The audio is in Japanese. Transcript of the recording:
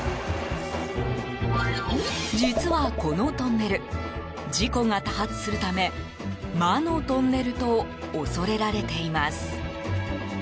実は、このトンネル事故が多発するため魔のトンネルと恐れられています。